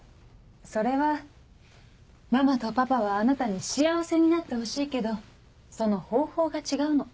それはママとパパはあなたに幸せになってほしいけどその方法が違うの。